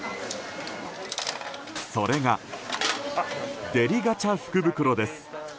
それが、デリガチャ福袋です。